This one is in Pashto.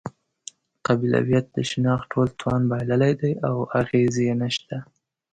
قبیلویت د شناخت ټول توان بایللی دی او اغېز یې نشته.